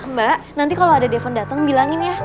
mbak nanti kalo ada diafon dateng bilangin ya